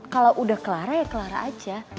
kalau udah clara ya clara aja